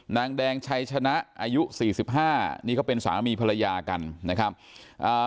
นางแดงชัยชนะอายุสี่สิบห้านี่เขาเป็นสามีภรรยากันนะครับอ่า